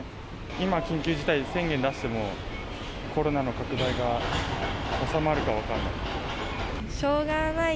今、緊急事態宣言出しても、コロナの拡大が収まるか分からない。